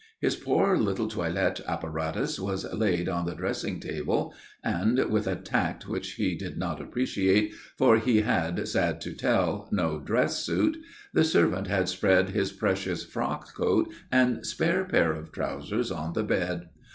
His poor little toilet apparatus was laid on the dressing table, and (with a tact which he did not appreciate, for he had, sad to tell, no dress suit) the servant had spread his precious frock coat and spare pair of trousers on the bed.